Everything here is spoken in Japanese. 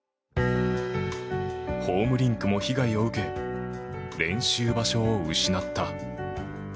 ホームリンクも被害を受け練習場所を失った。